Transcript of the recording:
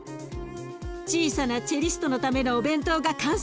小さなチェリストのためのお弁当が完成。